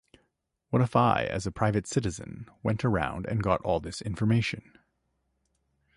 What if I as a private citizen went around and got all this information?